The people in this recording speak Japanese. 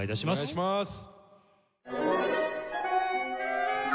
お願いします。